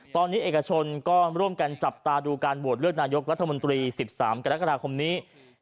ตอนนี้เอกชนก็ร่วมกันจับตาดูการโหวตเลือกนายกรัฐมนตรี๑๓กรกฎาคมนี้